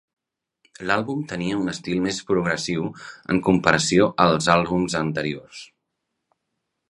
L'àlbum tenia un estil més progressiu en comparació als àlbums anteriors.